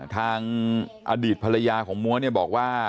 ทางอดีตภรรยาของมัวบอกว่า